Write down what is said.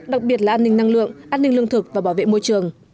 đặc biệt là an ninh năng lượng an ninh lương thực và bảo vệ môi trường